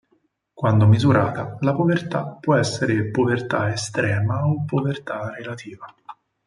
Quando misurata, la povertà può essere povertà estrema o povertà relativa.